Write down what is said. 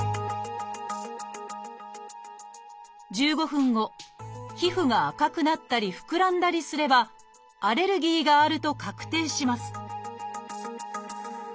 １５分後皮膚が赤くなったり膨らんだりすればアレルギーがあると確定します